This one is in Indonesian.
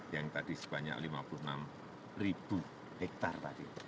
yang tadi sebanyak lima puluh enam ribu hektare tadi